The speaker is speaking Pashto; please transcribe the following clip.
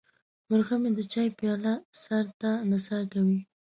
مرغه مې د چای پیاله سر ته نڅا کوي.